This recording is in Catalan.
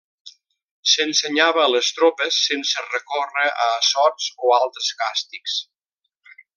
S'ensenyava a les tropes sense recórrer a assots o altres càstigs.